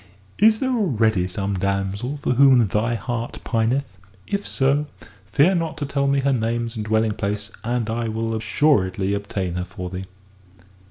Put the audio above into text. "Is there already some damsel for whom thy heart pineth? If so, fear not to tell me her names and dwelling place, and I will assuredly obtain her for thee."